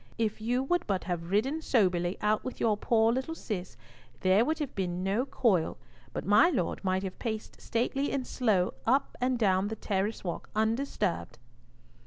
If you would but have ridden soberly out with your poor little Cis, there would have been no coil, but my Lord might have paced stately and slow up and down the terrace walk undisturbed."